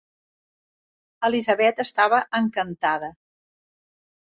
Elizabeth estava encantada.